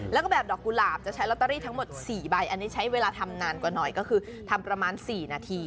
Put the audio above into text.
แล้วก็แบบดอกกุหลาบจะใช้ลอตเตอรี่ทั้งหมด๔ใบอันนี้ใช้เวลาทำนานกว่าหน่อยก็คือทำประมาณ๔นาที